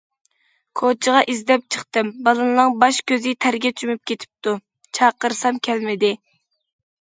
كوچىغا ئىزدەپ چىقتىم، بالىنىڭ باش- كۆزى تەرگە چۆمۈپ كېتىپتۇ، چاقىرسام كەلمىدى.